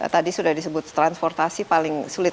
tadi sudah disebut transportasi paling sulit